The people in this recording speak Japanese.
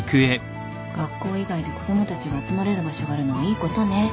学校以外で子供たちが集まれる場所があるのはいいことね。